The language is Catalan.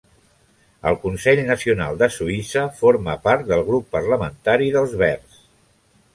Al Consell Nacional de Suïssa forma part del grup parlamentari dels Verds.